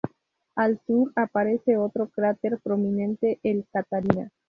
Al sur aparece otro cráter prominente, el Catharina.